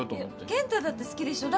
健太だって好きでしょ？